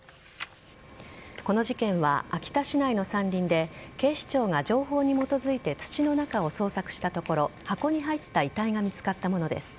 この事件は秋田市内の山林で警視庁が情報に基づいて土の中を捜索したところ箱に入った遺体が見つかったものです。